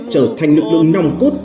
trở thành lực lượng nòng cốt